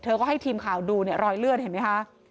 ก็ให้ทีมข่าวดูเนี่ยรอยเลือดเห็นไหมคะ